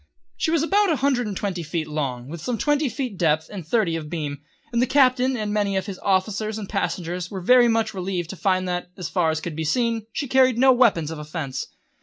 She was about a hundred and twenty feet long, with some twenty feet of depth and thirty of beam, and the Captain and many of his officers and passengers were very much relieved to find that, as far as could be seen, she carried no weapons of offence.